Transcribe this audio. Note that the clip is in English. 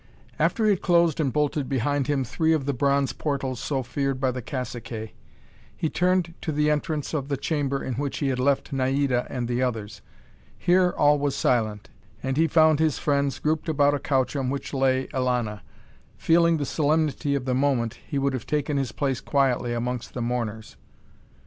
After he had closed and bolted behind him three of the bronze portals so feared by the caciques, he turned to the entrance of the chamber in which he had left Naida and the others. Here all was silent, and he found his friends grouped about a couch on which lay Elana. Feeling the solemnity of the moment, he would have taken his place quietly amongst the mourners.